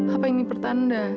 apa ini pertanda